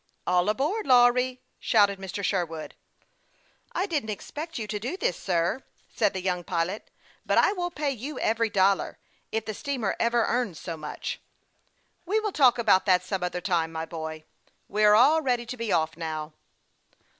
" All aboard, Lawry !" shouted Mr. Sherwood. " I didn't expect you to do this, sir," said the young pilot ;" but I will pay you every dollar, if the steamer ever earns so much." THE YOUXG. PILOT OF LAKE CHAMPLAIX. 233 " "We will talk about that some other time, my boy. We are all ready to be off now."